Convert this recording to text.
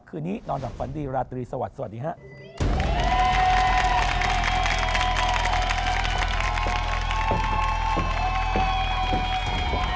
คืนนี้นอนหลับฝันดีราตรีสวัสดีครับ